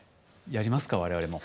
やりますか我々も。